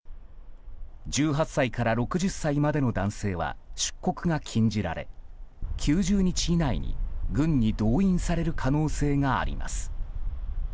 １８歳から６０歳までの男性は出国が禁じられ９０日以内に軍に動員される可能性があります。